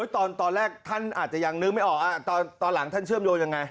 ตอนแรกท่านอาจจะยังนึกไม่ออกตอนหลังท่านเชื่อมโยงยังไง